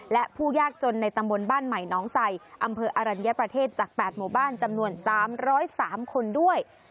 และผู้ยากจนในตำบลบ้านใหม่น้องใส่อำเภออรัญญประเทศจาก๘หมู่บ้านจำนวน๓๐๓คนด้วย